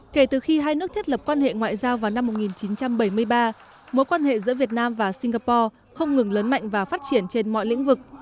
kể từ khi hai nước thiết lập quan hệ ngoại giao vào năm một nghìn chín trăm bảy mươi ba mối quan hệ giữa việt nam và singapore không ngừng lớn mạnh và phát triển trên mọi lĩnh vực